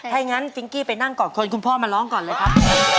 ให้งั้นฟิ้งกี้ไปนั่งก่อนคนคุณพ่อมาร้องก่อนเลยครับ